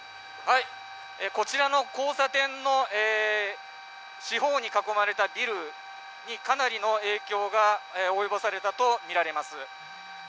こちらの交差点の四方に囲まれたビルにかなりの影響が及ぼされたとみられます。